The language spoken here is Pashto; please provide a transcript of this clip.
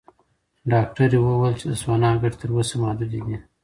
ډاکټره وویل چې د سونا ګټې تر اوسه محدودې دي.